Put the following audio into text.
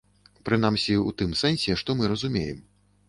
Прынамсі, у тым сэнсе, што мы разумеем.